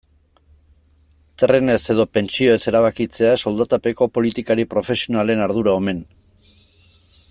Trenez edo pentsioez erabakitzea soldatapeko politikari profesionalen ardura omen.